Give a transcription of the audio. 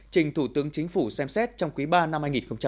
trình thủ tướng chính phủ xem xét trong quý ba năm hai nghìn hai mươi